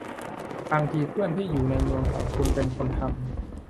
บางทีเพื่อนที่อยู่ในเมืองของคุณเป็นคนทำ